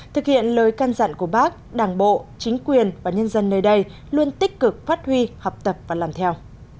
thực hiện lời can dặn của bác đảng bộ chính quyền và nhân dân nơi đây luôn tích cực phát huy học tập và làm theo